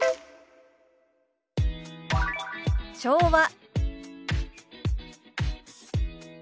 「昭和」。